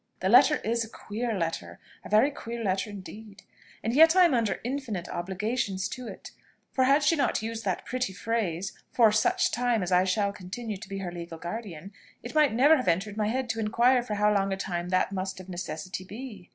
"The letter is a queer letter a very queer letter indeed. And yet I am under infinite obligations to it: for had she not used that pretty phrase, 'for such time as I shall continue to be her legal guardian,' it might never have entered my head to inquire for how long a time that must of necessity be."